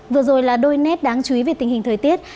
vừa rồi là đôi nét đáng chú ý về tình hình thời tiết